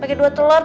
pake dua telur